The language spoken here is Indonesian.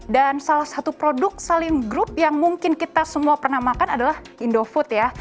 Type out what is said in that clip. dan salah satu produk salim group yang mungkin kita semua pernah makan adalah indofood ya